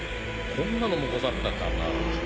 こんなのもござったかな